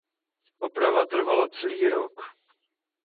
Oprava trvala celý rok.